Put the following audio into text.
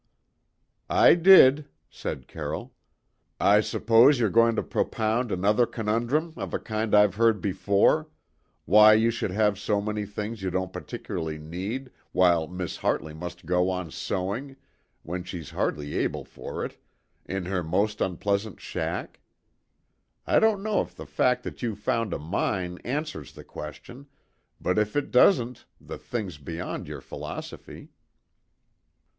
"I did," said Carroll. "I suppose you're going to propound another conundrum of a kind I've heard before why you should have so many things you don't particularly need while Miss Hartley must go on sewing, when she's hardly able for it, in her most unpleasant shack? I don't know if the fact that you found a mine answers the question; but if it doesn't the thing's beyond your philosophy."